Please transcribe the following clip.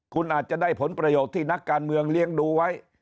คุณอาจจะได้ผลประโยชน์ที่นักการเมืองเลี้ยงดูไว้